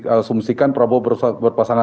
asumsikan prabowo berpasangan